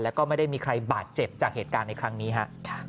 แล้วก็ไม่ได้มีใครบาดเจ็บจากเหตุการณ์ในครั้งนี้ฮะ